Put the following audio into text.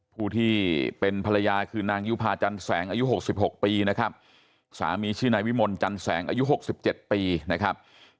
ผู้ที่เป็นภรรยาคือนางยุภาจันแสงอายุ๖๖ปีนะครับสามีชื่อนายวิมลจันแสงอายุ๖๗ปีนะครับ